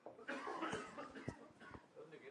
سهي خوراک